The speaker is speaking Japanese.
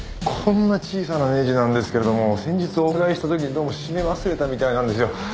こんな小さなネジなんですけれども先日お伺いした時にどうも締め忘れたみたいなんですよ。